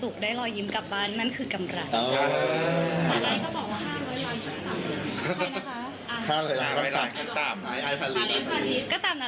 คลิปแบกกลับมารวมถึงก็เห็นคลิปแบบ